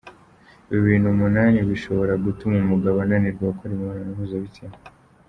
Ibintu umunani bishobora gutuma umugabo ananirwa gukora imibonano mpuzabitsina